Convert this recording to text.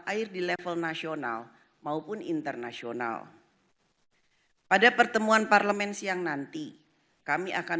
air di level nasional maupun internasional pada pertemuan parlemen siang nanti kami akan